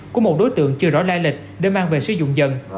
của một đối tượng chưa rõ lai lịch để mang về sử dụng dần